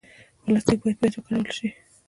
پلاستيک باید بیا وکارول شي.